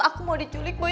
aku mau diculik boy